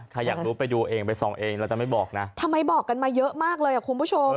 อยากรู้ไปดูเองไปส่องเองเราจะไม่บอกนะทำไมบอกกันมาเยอะมากเลยอ่ะคุณผู้ชม